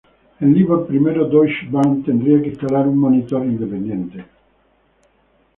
En Libor primero, Deutsche Bank tendría que instalar un monitor independiente.